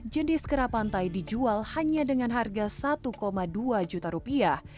jenis kerapantai dijual hanya dengan harga satu dua juta rupiah